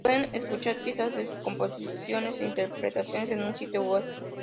Se pueden escuchar pistas de sus composiciones e interpretaciones en su sitio web.